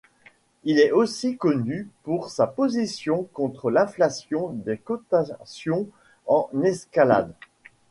Il est aussi connu pour sa position contre l'inflation des cotations en escalade.